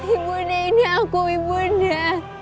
ibu nda ini aku ibu nda